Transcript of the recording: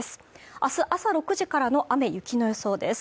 明日朝６時からの雨・雪の予想です